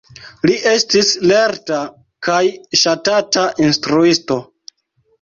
Li estis lerta kaj ŝatata instruisto.